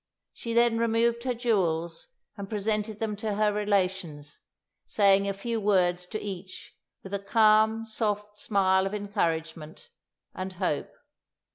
She then removed her jewels and presented them to her relations, saying a few words to each with a calm, soft smile of encouragement and hope.